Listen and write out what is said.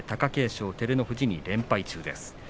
勝照ノ富士に連敗中です。